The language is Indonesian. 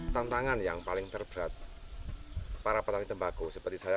tantangan yang paling terberat para petani tembako seperti saya